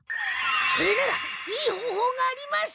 それならいいほうほうがあります！